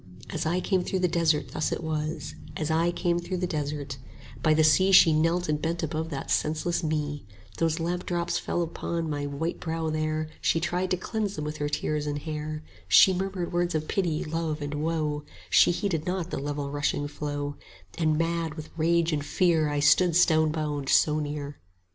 As I came through the desert thus it was, As I came through the desert: By the sea She knelt and bent above that senseless me; 90 Those lamp drops fell upon my white brow there, She tried to cleanse them with her tears and hair; She murmured words of pity, love, and woe, Shee heeded not the level rushing flow: And mad with rage and fear, 95 I stood stonebound so near.